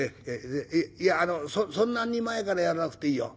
いやあのそんなに前からやらなくていいよ。